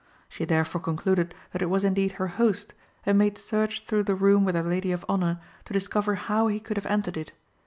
She therefore concluded that it was indeed her host, and made search through the room with her lady of honour to discover how he could have entered it.